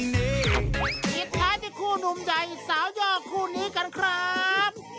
ปิดท้ายที่คู่หนุ่มใหญ่สาวย่อคู่นี้กันครับ